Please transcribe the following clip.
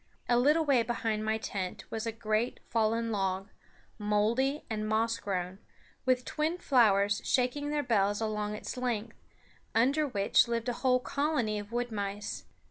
A little way behind my tent was a great fallen log, mouldy and moss grown, with twin flowers shaking their bells along its length, under which lived a whole colony of wood mice.